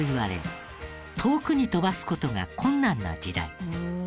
遠くに飛ばす事が困難な時代。